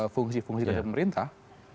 fungsi fungsi kesehatan pemerintah